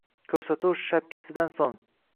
Ko’rsatuv shapkasidan so’ng